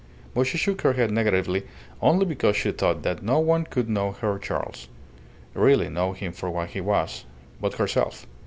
But she shook her head negatively only because she thought that no one could know her Charles really know him for what he was but herself.